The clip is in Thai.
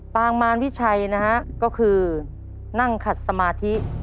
ปางมารวิชัยนะฮะก็คือนั่งขัดสมาธิ